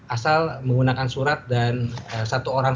asal menggunakan surat dan satu orang